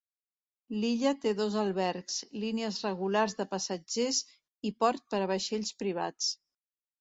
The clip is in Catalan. L'illa té dos albergs, línies regulars de passatgers i port per a vaixells privats.